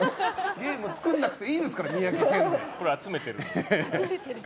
ゲームを作らなくていいですからこれ、集めてるの。